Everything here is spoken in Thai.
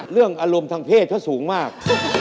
เรื่องอารมณ์ทั้งเพศก็สูงมาก